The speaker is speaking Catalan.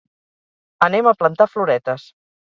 Anem a plantar floretes.